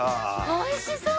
おいしそう！